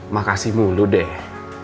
makasih mulu deh